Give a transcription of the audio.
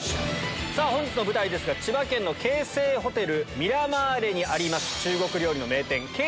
さぁ本日の舞台ですが千葉県の京成ホテルミラマーレにあります。